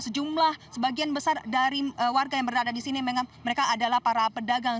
sejumlah sebagian besar dari warga yang berada di sini mereka adalah para pedagang